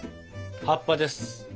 葉っぱです。